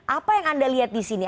apa yang anda lihat di sini